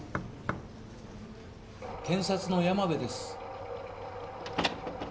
検察の山です。